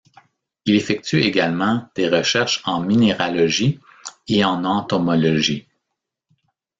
Il effectue également des recherches en minéralogie et en entomologie.